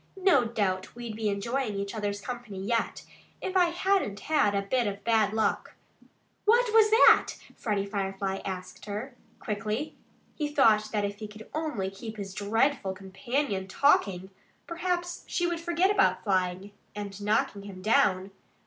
No doubt we'd be enjoying each other's company yet, if I hadn't had a bit of bad luck." "What was that?" Freddie Firefly asked her quickly. He thought that if he could only keep his dreadful companion TALKING, perhaps she would forget about FLYING and knocking him down.